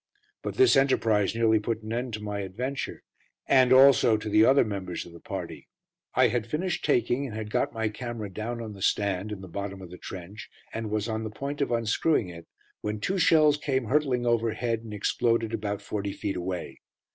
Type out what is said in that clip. But this enterprise nearly put an end to my adventure, and also to the other members of the party. I had finished taking, and had got my camera down on the stand, in the bottom of the trench, and was on the point of unscrewing it, when two shells came hurtling overhead and exploded about forty feet away.